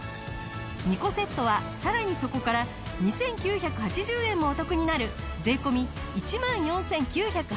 ２個セットはさらにそこから２９８０円もお得になる税込１万４９８０円。